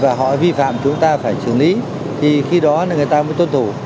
và họ vi phạm chúng ta phải xử lý thì khi đó người ta mới tuân thủ